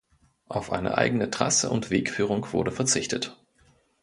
Auf eine eigene Trasse und Wegführung wurde verzichtet.